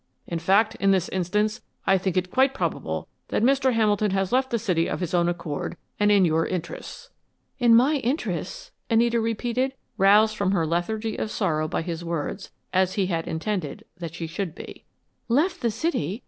In fact, in this instance, I think it quite probable that Mr. Hamilton has left the city of his own accord, and in your interests." "In my interests?" Anita repeated, roused from her lethargy of sorrow by his words, as he had intended that she should be. "Left the city?